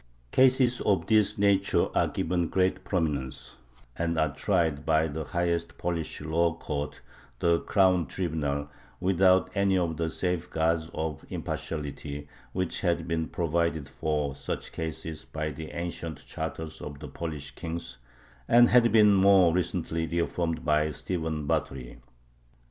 Cases of this nature are given great prominence, and are tried by the highest Polish law court, the Crown Tribunal, without any of the safeguards of impartiality which had been provided for such cases by the ancient charters of the Polish kings, and had been more recently reaffirmed by Stephen Batory.